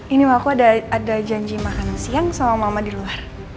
ini mamaku ada janji makan siang sama mama di luar